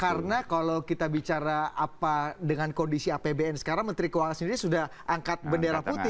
karena kalau kita bicara apa dengan kondisi apbn sekarang menteri keuangan sendiri sudah angkat bendera putih gitu